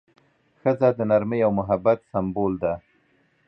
ښځه د نرمۍ او محبت سمبول ده.